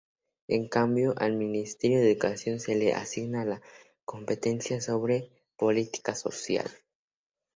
A cambio, al Ministerio de Educación se le asigna la competencia sobre Política social.